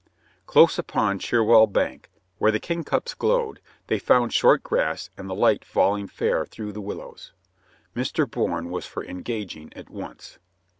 Close upon Cherwell bank, where the kingcups glowed, they found short grass and the light falling fair through the willows. Mr. Bourne was for en gaging at once.